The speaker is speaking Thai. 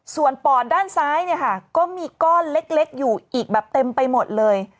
ส่วนปอดด้านซ้ายเนี่ยค่ะก็มีก้อนเล็กอยู่อีกแบบเต็มไปหมดเลย